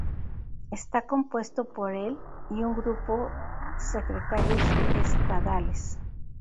Está compuesto por el y un grupo Secretarios Estadales.